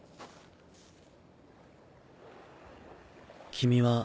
君は。